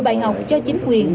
đại học cho chính quyền